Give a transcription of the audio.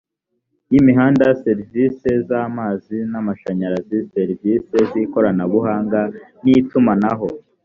y imihanda serivisi z amazi n amashanyarazi serivisi z ikoranabuhanga n itumanaho